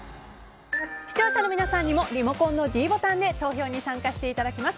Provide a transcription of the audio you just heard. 視聴者の皆さんにもリモコンのｄボタンで投票に参加していただきます。